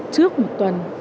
trước bộ giáo dục và đào tạo